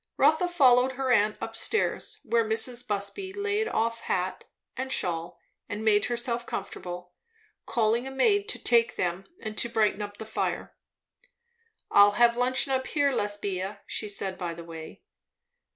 Rotha followed her aunt up stairs, where Mrs. Busby laid off hat and shawl and made herself comfortable, calling a maid to take them and to brighten up the fire. "I'll have luncheon up here, Lesbia," she said by the way.